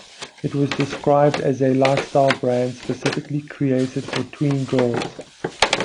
It was described as "a lifestyle brand specifically created for tween girls".